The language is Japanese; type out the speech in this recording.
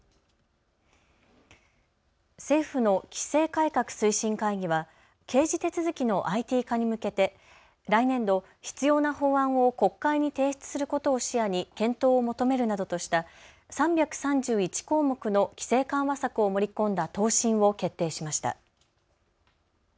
政府の規制改革推進会議は刑事手続きのＩＴ化に向けて来年度、必要な法案を国会に提出することを視野に検討を求めるなどとした３３１項目の規制緩和策を盛り込んだ答申を決定しました。